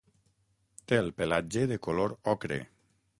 Té el pelatge de color ocre.